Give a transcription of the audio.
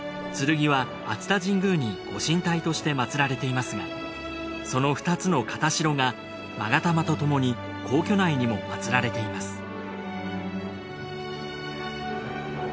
剣は熱田神宮にご神体として祀られていますがその２つの形代が勾玉とともに皇居内にも祀られています